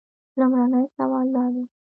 لومړنی سوال دا دی.